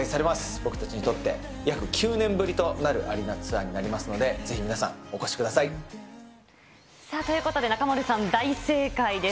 僕たちにとって約９年ぶりとなるアリーナツアーになりますので、ぜひ皆さん、お越しください。ということで中丸さん、大正解です。